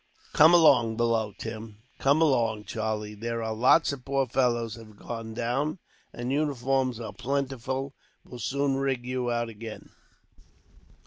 "Come along below, Tim. Come along, Charlie. There are lots of poor fellows have gone down, and uniforms are plentiful. We'll soon rig you out again."